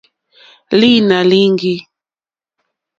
Lǐnà líŋɡî.